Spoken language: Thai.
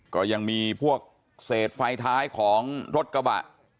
ก็ยังมีพวกเศษไฟท้ายของรถกระบะ